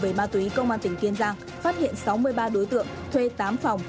về ma túy công an tỉnh kiên giang phát hiện sáu mươi ba đối tượng thuê tám phòng